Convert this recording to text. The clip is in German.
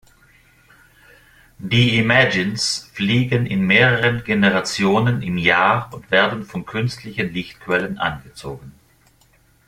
Die Imagines fliegen in mehreren Generationen im Jahr und werden von künstlichen Lichtquellen angezogen.